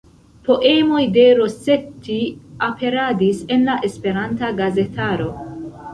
Poemoj de Rossetti aperadis en la Esperanta gazetaro.